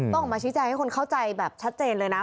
ออกมาชี้แจงให้คนเข้าใจแบบชัดเจนเลยนะ